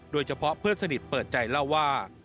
โดยเฉพาะเพื่อนสนิทเปิดใจเล่าว่า